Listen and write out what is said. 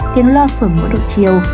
tiếng loa phở mỗi đủ chiều